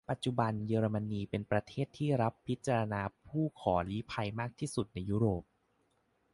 ปัจจุบัน เยอรมนีเป็นประเทศที่รับพิจารณาผู้ขอลี้ภัยมากที่สุดในยุโรป